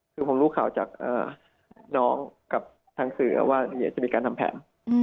คือผมรู้ข่าวจากเอ่อน้องกับทางสื่อว่าจะมีการทำแผน